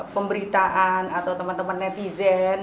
pemberitaan atau teman teman netizen